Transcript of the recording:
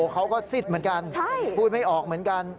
ซิดเหมือนกันพูดไม่ออกเหมือนกัน